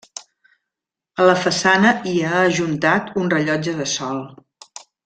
A la façana hi ha ajuntat un rellotge de sol.